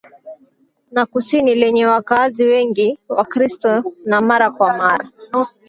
na kusini lenye wakaazi wengi wakristo na mara kwa mara